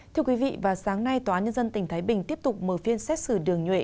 thưa quý vị vào sáng nay tòa án nhân dân tỉnh thái bình tiếp tục mở phiên xét xử đường nhuệ